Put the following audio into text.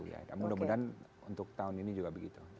ya mudah mudahan untuk tahun ini juga begitu